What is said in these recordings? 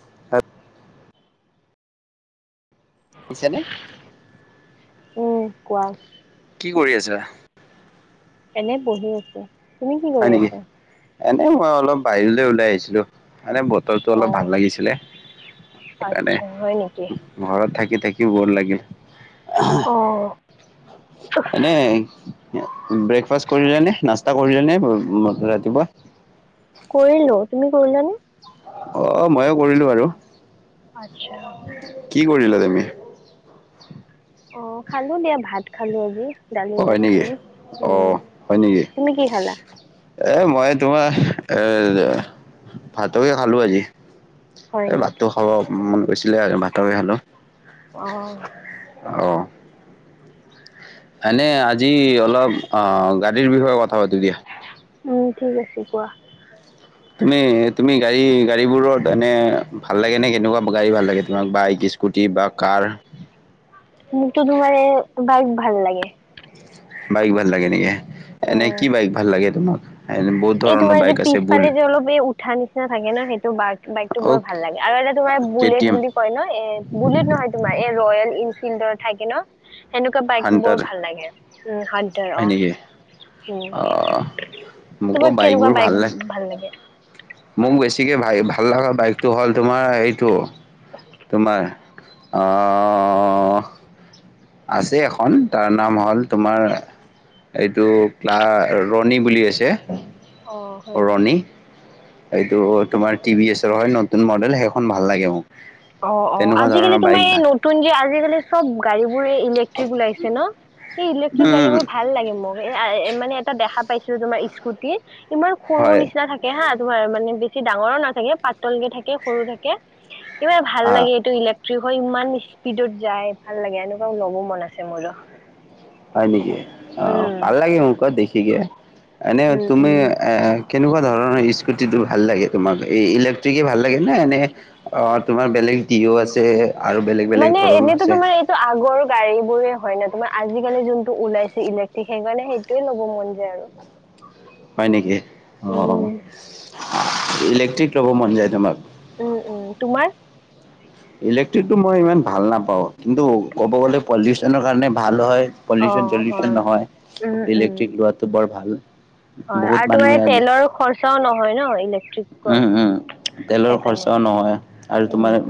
[unintelligible] দিছানে? উম কোৱা কি কৰি আছা এনে বহি আছো তুমি কি হয় কৰি নেকি? আছা এনে মই অলপ বাহিৰলৈ ওলাই আহিছিলো মানে বতৰটো অ অলপ ভাল লাগিছিলে সেইকাৰণে আচ্ছা হয় নেকি? ঘৰত থাকি থাকি বৰ লাগিল অঁ এনেে ব্ৰেকফাষ্ট কৰিলে নে নাস্তা কৰিলে নে ৰাতিপুৱা কৰিলো তুমি কৰিলাানে অ ময়ো কৰিলো আৰু আচ্ছা কি কৰিলা তুমি অ খালো দিয়া ভাত খালো আজি ডালি অ' হয় ভাত নেকি? খালো উ অ' হয় নেকি? তুমি কি খালা এ মই তোমাৰ এ ভাতকে খালো আজি হয় এই নেকি ভাটটো খাব মন গৈছিলে ভাট খালো অঁ অঁ এনে আজি অলপ অ গাড়ীৰ বিষয়ে কথা পাতো দিয়া উম ঠিক আছে কোৱা তুমি তুমি গাড়ী গাড়ীোৰত এনে ভাল লাগে নে কেনেকুৱা গাড়ী ভাল লাগে তোমাক বা কি স্কুটি বা কাৰ মুখটো ধোমাৰ বাইক ভাল লাগে বাইক ভাল লাগে নেকি এনে উম কি বাইক ভাল লাগে তোমাক এনে বহুত এই ধৰণৰ তোমাৰ যে বাইক আছে বুল পিছফালে যে অলপ এই উঠা নিচিনা থাকে ন সেইটো ব বাইকটো অ বৰ ভাল লাগে আৰু এটা তোমাৰ কে টি বুলেট এম বুলি কয় ন এ বুলেট নহয় তোমাৰ এই ৰয়েল এনফিল্ডৰ থাকে ন সেনেকুৱা বাইক হান্টাৰ বৰ ভাল লাগে উ হাতদাৰ অ হয় নেকি উম অ মোকো তোমাক কেনেকুৱা বাইকবোৰ ভাল বাইক লাগে ভাল লাগে মোক বেছিকৈ ভাই ভাল লগা বাইকটো হ'ল তোমাৰ এইটো তোাৰ আছে এখন তাৰ নাম হ'ল তোমাৰ এইটো ক্লা ৰণী বুলি আছে অ হয় ৰণী এইটো তোমাৰ টি ভ এছৰ হয় নতুন মডেল সেইখন ভাল লাগে মোক অ অ তেনেকুৱা আজিকালি ধৰণৰ বাইক তোমাৰ ভাল এই তুন যেি আজিকালিব গাড়ী বোৰ এই ইলেক্ট্ৰিক ওলাইছে ন স ইলেক্ট্ৰিক গাড়ী উম বোৰ ভাল লাগে মোক মানে এটা দেখা পাইছিলো তোমাৰ স্কুটি ইমান সৰু হয় নিচিনা থাকে থাকে হা তোমাৰ মানে বেছি ডাঙৰো নাথাকে পাতলকে থাকে সৰু থাকে ইবাৰ ভাল অ লাগে এইটো ইলেক্ট্ৰিক হৈ ইমান স্পীডত যায় ভাল লাগে এনেকুৱা লবো মন আছে মোৰো হয় নেকি অ উম, ভাল লাগে মোক ক দেখিকে এনে উম, তুমি উম। এ কেনেকুৱা ধৰণৰ স্ুটিটো ভাল লাগে তোমাক এই ইলেক্ট্ৰিকে ভাল লাগে না এনে অ তোমাৰ বেলেগ তিও আছে আৰু বেলেগ বেলেগ মানে ধৰণৰ এনেতো আছে তোমাৰ এইটো আগৰ গাড়ী বোৰে হয় ন তোমাৰ আজিকালি যোনটো ওলাইছে ইলেক্ট্ৰিক সেই কাৰণে সেইটোয়ে ল'ব মন যায় আৰু [unintelligible] হয় নেকি অঁ উম, ইলেক্ট্ৰিক ল'ব মন যায় তোমাক উম উম তোমাৰ ইলেক্ট্ৰিকটো মই ইমান ভাল নাপাওঁ কিন্তু ক'ব গ'লে পলিউচনৰ কাৰণে ভাল হয় পলিউচন অ', চলিউশন হয়। উম, নহয় উম। ইলেক্ট্ৰিক লোৱাটো বৰ ভাল হয়, বহুত আৰু তোমাৰ এ মানুহে আজি তেলৰ খৰচাও নহয় ন' ইলে [unintelligible] তেলৰ খৰচাও নহয় আৰু তোমাৰ উম।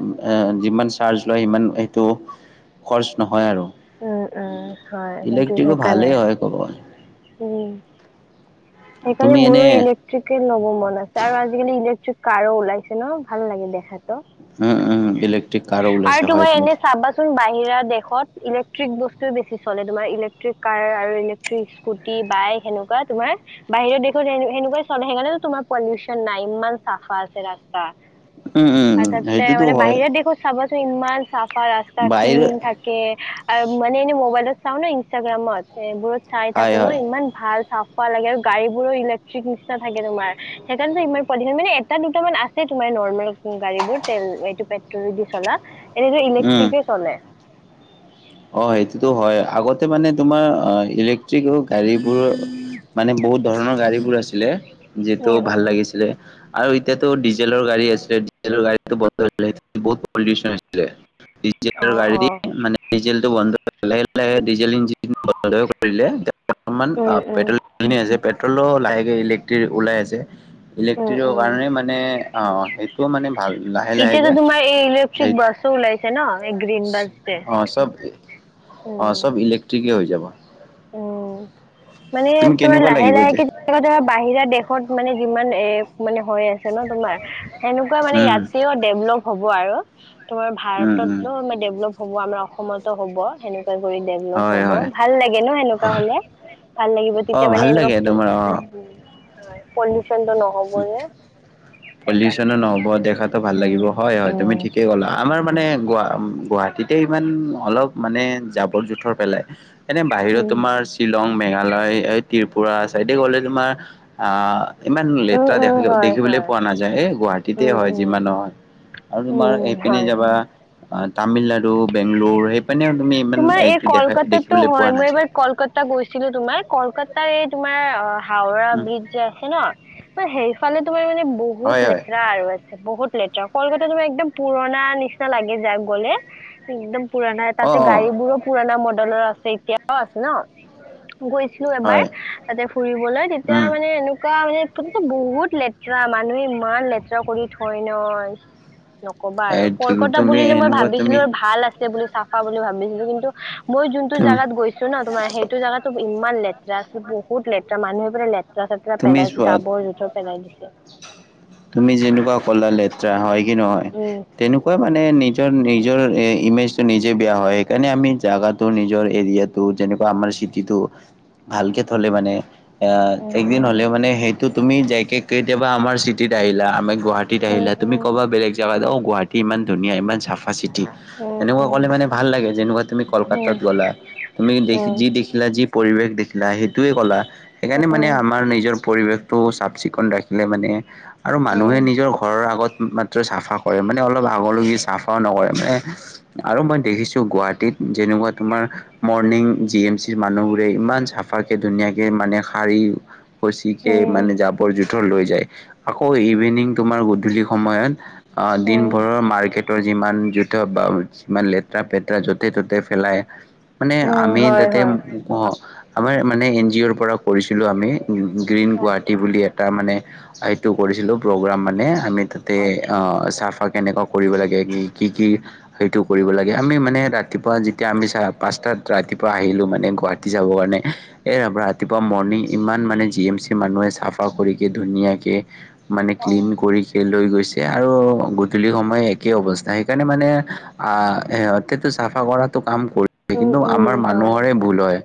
যিমান চাৰ্জ লয় সিমান সেইটো খৰচ নহয় আৰু। উম, উম, হয় সেইটো ইলেক্ট্ৰিকো সেইকাৰণে। ভালেই হয় ক'ব উম, সেইকাৰণে তুমি এনে মোৰো ইলে ল'ব মন আছে আৰু আজিকালি ইলেক্ট্ৰিক কাৰো ওলাইছে ন' ভাল লাগে দেখাত। উম, উম, ইলেকট্ৰিক কাৰো আৰু ওলাইছে হয় তোমাৰ এনে চাবাচোন বাহিৰা দেশত ইলেক্ট্ৰিক বস্তুৱে বেছি চলে তোমাৰ ইলেক্ট্ৰিক কাৰ আৰু ইলেক্ট্ৰিক স্কুটি বাইক সেনেকুৱা তোমাৰ বাহিৰত দেখোন সেনেকুৱাই চলে সেকাৰেনেটো তোমাৰ পলিউচন নাই ইমান চাফা আছে ৰাস্তা [inaudible] উম উম আৰু তাতে সেইটোতো মানে হয় বাহিৰা দেশত চাবাচোন ইমান চাফা ৰাস্তা বাহিৰ ক্লিন থাক কে এনে মবাইলত চাও ন'ইন্ষ্টাগ্ৰামত এইবোৰত চাই হয় থাকো হয় ইমান ভাল চাফ পোৱা লাগে আৰু গাড়ীবোৰো ইলেক্ট্ৰিক নিচিনা থাকে তুমাৰ সেইকাৰণেটো ইমান [unintelligible] মানে এটা দুটা মান আছে তোমাৰ নৰ্মেল গাড়ী বোৰ তেল এইটো পেট্ৰল দি চলা এনেদৰে উম ইলেক্ট্ৰিকে চলে। অ', সেইটোতো হয় আগতে মানে তোমাৰ অ', ইলেক্ট্ৰিক গাড়ীবোৰ মানে বহুত ধৰণৰ গাড়ীবোৰ আছিলে যিটো উম ভাল উম লাগিছিলে আৰু এতিয়াতো ডিজেলৰ গাড়ী আছিলে ডিজেলৰ গাড়ীতো বন্ধ হৈছিল বহুত পলিউচন আছিলে। ডিজেল অ অ গাড়ী মানে ডিজেলটো বন্ধ [unintelligible] ডিজেল [unintelligible] বৰ্তমান উম [unintelligible] উম পেট্ৰলো লাহেকে ইলেক্ট্ৰিক ওলাই আছে। উম ইলেক্ট্ৰিকৰ উম কাৰণে মানে অ', সেইটোও মানে ভাল লাহে লাহেকে থিক সেই বাছো ওলাইছে ন' এই গ্ৰীন বছ যে অ', চব অ', সব উম ইলেক্ট্ৰিকেই হৈ যাব। উম, মানে তুমি তোমাৰ কেনেকুৱা লাহে লাগিব যে লাহেকে বাহিৰা দেশত মানে যিমান এ মানে হৈ আছে ন' তোমাৰ সেনেকুৱা মানে উম ইয়াতেও ডেভলপ হ'ব আৰু তোমাৰ উম উম ভাৰততো মানে ডেভলপ হ'ব আমাৰ অসমতো হ'ব সেনেকুৱা কৰি ডেভলপ হয় হ'ব হয় ভাল লাগ লাগে ন' সেনেকুৱা হলে ভাল লাগিব অ তেতিয়া মানে ভাল এনেকুৱা লাগে তোমাৰ অ [unintelligible] হয়, পল্যুচনটো নহ পলিউচনো নহব দেখাতটো ভাল লাগিব হয়, হয় তুমি ঠিকে ক'লা। আমাৰ মানে গ-গুৱাহাটীতে ইমান অলপ মানে জাবৰ জোথৰ পেলাই এনে বাহিৰত উম তোমাৰ শ্বিলং মেঘালয় এই ত্ৰিপুৰা চাইডে গ'লে তোমাৰ আহ ইমান উম দেখ উম হয় দেখিবলৈ হয় পোৱা নাযায় এ গুৱাহাটীতে উম হয় উম যিমান নহয়। আৰু তোমাৰ উম এইপিনে হয় যাবা তামিলনাডু বেংগলোৰ সেই তুমি ইমান তোমাৰ এই দেখা কলকাতাতো দেখিবলৈ হয় পোৱা মই এবাৰ নাযায়। কলকাতা গৈছিলো তোমাৰ কলকাতাৰ এই তোমাৰ অ', হাওৰা উম ব্ৰিজ আছে ন' ম সেইফালে তোমাৰ মানে বহুত হয় হয় লেতেৰা আৰু বহুত লেতেৰা কলকাত তুমাৰ একদম পুৰণা নিচিনা লাগে যাক গ'লে একদম পুৰণা অ এ অ গাড়ীবোৰো পুৰণা মডেলৰ আছে এতিয়াও আছে ন' গৈছিলো এবাৰ হয় তাতে ফুৰিবলৈ তেতিয়া উম মানে এনে মানে বহুত লেতেৰা মানুহে ইমান লেতেৰা কৰি থয় নয়। নকবা আৰু এইটো কলকতা তুমি বুলিলে মই এনেকুৱা তুমি ভাবিছিলো আৰু ভাল আছে বুলি চাফা বুলি ভাবিছিলো কিন্তু মই যোনটো তুমি জোগাত গৈ ন'তোমাৰ সেইটো জেগাতটো ইমান লেতেৰা আছে বহুত লেতেৰা মানুহে পোৰা লেতেৰা চাত্ৰা তুমি পেলাই চোৱা জাবৰ জোথৰ পেলাই দিছে। তুমি যেনিবা ক'লা লেতেৰা হয় কি নহয়? উম তেনেকুৱা মানে নিজৰ নিজৰ ইমেজটো নিজে বেয়া হয় সেইকাৰণে আমি জেগাটো নিজৰ এৰিয়াত ত যেনেকুৱা আমাৰ চিটটোো ভালকে থলে মানে এ উম একদিন হ'লে উম মানে সেইটো তুমি যাইকে কেতিয়াবা আমাৰ চিটিত আহিলা আমি গুৱাহাটীত আহিলা তুমি উম ক'বা বেলেগ জেগাতা গুৱাহাটী ইমান ধুনীয়া ইমান চাফা চিটি উম তেনেকুৱা কলে উম মানে ভাল লাগে যেনেকুৱা তুমি উম উম কলকাতাত গ'লা তুমি উম দেখি উম যি দেখিলা যি পৰিৱেশ দেখিলা সেইটোোৱে ক'লা সেইকাৰণে মানে আমাৰ নিজৰ পৰিৱেশটো চাফ চিকুণ ৰাখিলে মানে আৰু মানুহে উম নিজৰ ঘৰৰ আগত চাফা কৰে মানে অলপ আগলৈকি চাফাও নকৰে মানে আৰু মই দেখিছো গুৱাহাটীত যেনেকুৱা তোমাৰ মৰ্ণং জি এম চিৰ মানুহ বোৰে ইমান চ চফাকে ধুনীয়াকে মানে শাৰী খচিক উম মানে জাবৰ জোথৰ লৈ যায় আকৌ ইভিনিং তোমাৰ গধূলি সময়ত অ দিন উম ভৰৰ মাৰ্কেট যিমান জোথ বা যিমান লেতেৰা পেতেৰা য'তে ত'তে পেলাই মানে উম আমি হয় তাতে হয় আমাৰ মানে এন জি অ'ৰ পৰা কৰিছিলো আমি গ্ৰীণ গুৱাহাটী আচ্ছা বুলি এটা মানে সেইটো কৰিছিলোঁ প্ৰগ্ৰোম মানে আমি তাত তাতে আচ্ছা চাফা কেনেকুৱা কৰিব লাগে কি কি কি সেইটো কৰিব লাগে আমি মানে ৰাতিপুৱা যেতিয়া আমি চা পাঁচটাত ৰাতিপুৱা আহিলোঁ মানে গুৱাহাটী পতি যাবৰ কাৰণে এ ৰাতিপুৱা মৰ্ণং ইমান মানে জি এম চি মানুহে চাফা কৰি কি ধুনীয়াকে মানে হয় ক্লিন কৰি লৈ গৈছে আৰু গধূলি সময় একেই অৱস্থা সেইকাৰণে মানে আহ সিহঁত টো চাফা কৰাটো কাম কৰি স উম কিন্তু উম আমাৰ হয় মানুহৰে ভুল হয়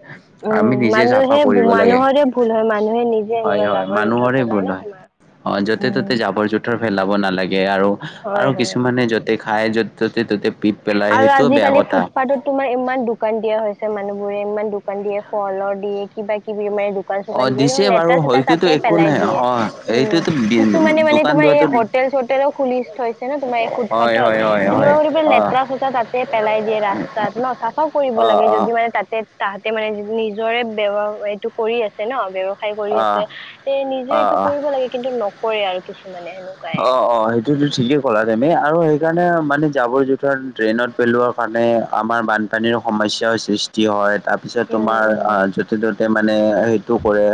উম আমি নিজে চাফা মানুহে কৰিব লাগে মানুহৰে ভুল হয় মানুহে নিজে হয় এনেকুৱা হয় জাবৰ জোথৰ মানুহৰে পেলাই ভুল ন হয় তোমাৰ অ য'তে উম ত'তে জাবৰ জোথৰ ফেলাব নালাগে আৰু হয় আৰু হয় কিছুমানে য খাই য' ততে ততে পি আৰু আজিকালি ফুটপাথত তোমাৰ ইমান দোকান দিয়া হৈছে মানুহ বোৰে ইমান দোকান দিয়ে ফলৰ দিয়ে কিবা কিবি আমান শুকান অ চুান দিয়ে ত দিছে বাৰু লেতোৰ চোৰ হয়তোতো তাতে একো পেলাই নাই দিয়ে অ উম এইটোতো কিছুমানে মানে দোকান দোৱাটো তোমাৰ হোটেল চোটেলো খুলি থৈছে ন তোমাৰ এই হয় হয় ফুটপাথত হয় হয় অ এনেকুৱা চত চতৰা তাতে পেলাই দিয়ে ৰাস্তাত ন চাফা কৰিব অ লাগে অ যদি মানে তাতে তাহতে মানে নিজৰে বৱ এইটো কৰি আছে ন ব্ৱসায় কৰি অ আছে তে নিজে অ এইটো অ কৰিব লাগে কিন্তু কৰে আৰু কিছুমানে সেনেক অ অ সেইটো স ঠিকেই ক'লা তেুমি আৰু সেইকাৰণে মানে জাবৰ জোথাৰ ট্ৰেইনত পেলোৱাোৱাৰ কাৰণে আমাৰান পানীৰ সমস্যাৰ সৃষ্টি হয় তাৰপিছত উম তোমাৰ উম উম য'তে ত'তে মানে সেইটো কৰে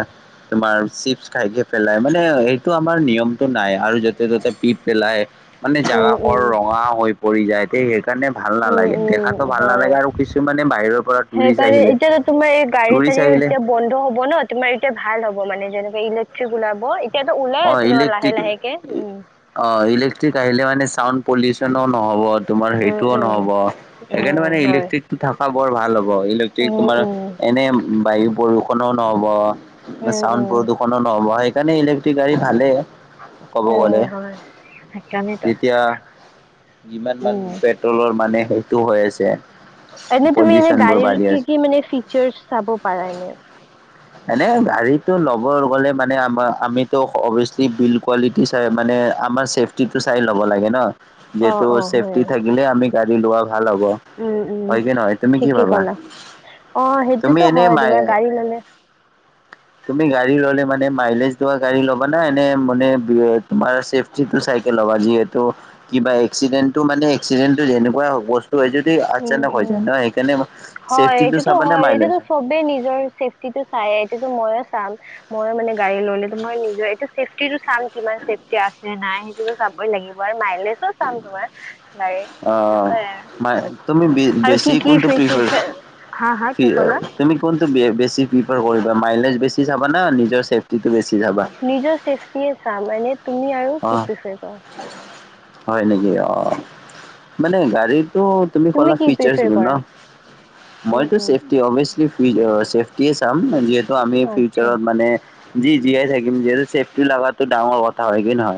তোমাৰ চিপছ খাইকৈ পেলাই মানে সেইটো আমাৰ নিয়মটো নাই আৰু য'তে ত'তে পি পেলাই মানে উম জাগাখ ৰঙা হৈ পৰি যায় সেইকাৰণে ভাল উম নালাগে উম দেখাতো ভাল হয় নালাগে আৰু কিছুমানে বাহিৰৰ পৰা টুৰিষ্ট আহিলে মাৰ এই গাড়ী টুৰিষ্ট চাাৰীও আহিলে এতিয়া বন্ধ হব ন তোমাৰ এতিয়াাল হব মানে যেনেকে ইলেক্ট্ৰিক ওলাব তিা উলাই অ আছে তোমাৰ লাহে ইলেক্ট্ৰিক লাহে কেে উম অ ইলেক্ট্ৰিক আহিলে মানে চাউণ্ড পলিউচনো নহব তোমাৰ সেইটোও উম নহব উম সেইকাৰণে উম মানে হয় ইলেক্ট্ৰিক থকা বৰ ভাল হ'ব ইলেক্ট্ৰিক উম তোমাৰ উম এনে বায়ু প্ৰদূষণো নহব উম চাউণ্ড উম প্ৰদূষণো নহ'ব সেইকাৰণে ই গাড়ী ভালেই ক'ব গ'লে উম হয় সেইকাৰণেতো যেতিয়া যিমান মান উম পেট্ৰলৰ মানে সেইটো হৈ আছে এনে তুমি এনে পলিউচনবোৰ গাড়ীৰ বাঢ়ি কি আছে কি মানে ফিচাৰ্চ চাব পাৰা এনে এনে গাড়ীতটো ল'ব গ'লে মানে আমাৰ আমিতো অভিয়াচলি বিল্ড কোৱিটি কি চাই মানে আমাৰ চেফটি টো চাই ল'ব লাগে ন অ যিহেতু অ চছেফটি হয় থাকিলে আমি গাড়ী লোৱা ভাল হ'ব। উম উম হয় কি নহয় তুমি কি ঠিকে ভাবা? কলা অ তুমি সেইটোতো এনে হয় মাই তোমাৰ গাড়ী ললে। তুমি গাড়ী ললে মানে মাইলেজ দোৱা গাড়ী ল'ব না এনে মানে তোমাৰ যিটো চাইকেল হ'বা যিহেতু কিবা এক্সিডেণ্টটো মানে এক্সিডেন্টটো যেনেকুৱাইস্ত। ত যদি উম আচানক হৈ উম যায় ন সেইকাৰণে। হয় চেফটিটো এইটোতো চাবা নে হয় এইটো মাইলেজ চবেই নিজৰ চেফটিটো চাই এইটোো ময়ো চাম। মই মানে গাড়ী ল'লে মই নিজৰ এইটো চেফটিটো চাম। কিমান চেফটি আছে নাই সেইটো চাবই লাগিব আৰু মাইলেজো চাম তোমাৰ। গাড়ীৰ অ', সেনেকুৱাই আৰু ম তুমি আৰু বেছি কি কি কোনটো প্ৰিফাৰ ফেচিচ হা হা কি ক'লা ফ তুমি কোনটো বেছি প্ৰিফাৰ কৰিবা মাইলেজ বেছি চাবা না নিজৰ চেফটিটো বেছি চাবা। নিজৰ চেফটিয় চাম মানে তুমি আৰু অ কি প্ৰফাৰ কৰা। হয় নেকি অ মানে গাড়ীটো। তুমি কলা কি ফিচাৰছ প্ৰিফাৰ ন কৰা মই। উম উম অভিয়াচলি ফি চেফটিয়ে চাম যিহেতু আমি আচ্ছা ফিউচাৰত মানে। জি জীয়াই থাকিম যিহেতুছেফটি ল লগাগাতটো ডাঙৰ কথা হয় কি নহয়।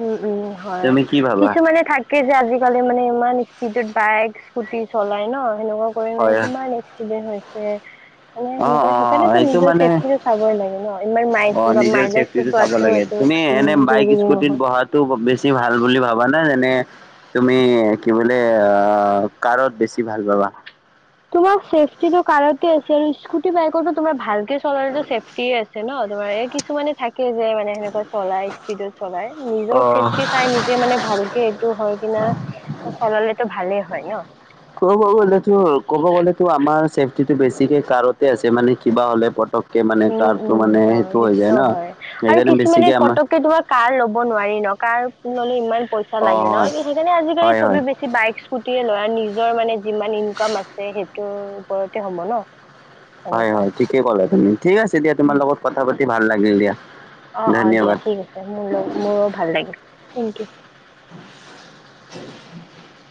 উম, উম হয় তুমি কি ভাবা কিছুমানে থাক। তাক যে আজিকালি মানে ইমান স্পীডত বাইক স্কুটি চলাই ন সেনেকুৱা। কৰি মানে হয় কিমান এক্সিডেণ্ট হৈছে। মানে অ সেনেুৱা অ সেইকাৰণেেতো সেইটো নিজৰ মানে চেফটিটো চাবই লাগে ন ইমান অ ম নিজৰ মাইলেজ টো চেফটিটো চাব চোৱো হ'ল। উম জৰুৰী নহয়। টো বেছি ভাল বুলি ভাবা নাই যেনে। তুমি কি বোলে কাৰত বেছি ভাল পাবা। তোমাৰ চছেফটিটো কাৰতে আছে আৰু স্কুটি বাইকৰটো তোমাৰ ভালকে চলাৰো চেফটি আছে ন। তোমাৰ এই কিছুমানে থাকে যে মানে। সনো চলাই স্পীডত চলাই অ নিজৰ চেফটি চাই নিজে মানে ভালকে। টো হয় কিনা চলালো ভালেই হয় ন। ক'ব গ'লেতো ক'ব গ'লেতো আমাৰ চেফটিটো বেছিকে কাৰতে আছে মানে কিবা হ'লে পক উম, উম হয় সেইটোতো হয় আৰু সেইকাৰণে কিছুমানে বেছিকে আমাৰ পতককে তোমাৰ কাৰ ল'ব নোৱাৰি ন কাৰ। ল'লে ইমান পইচা অ লাগে ন সেইকাৰণে আজিকালি হয় হয় হয় চবি বেছি। বাইক স্কুটিৰে ল'ৰা নিজৰ মানে যিমান ইনকাম আছে সেইটোৰ ওপৰতে হ'ব ন। হয়, এনেকুৱা হয় ঠিকে ক'লা তুমি ঠিক আছে দিয়া তোমাৰ উম, লগত কথা পাতি ভাল লাগিল দিয়া। অ', অ'দিয়া ধন্যবাদ ঠিক আছে মোৰ লগ মোৰো ভাল লাগিলছিল থেংক ইউ। [unintelligible]